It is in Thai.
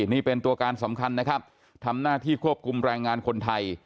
นี่เป็นตัวการสำคัญนะครับทำหน้าที่ควบคุมแรงงานคนไทย